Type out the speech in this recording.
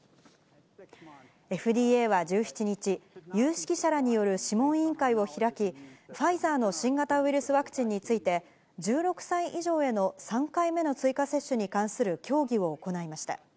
ＦＤＡは１７日、有識者らによる諮問委員会を開き、ファイザーの新型ウイルスワクチンについて、１６歳以上への３回目の追加接種に関する協議を行いました。